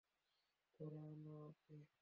ধরে আনো তাকে।